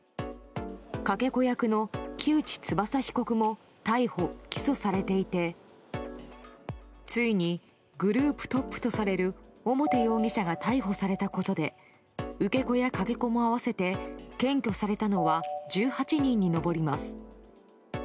かけ子役の木内翼被告も逮捕・起訴されていてついにグループトップとされる表容疑者が逮捕されたことで受け子やかけ子も合わせて検挙されたのは１８人に上ります。